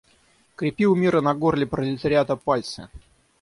Крепи у мира на горле пролетариата пальцы!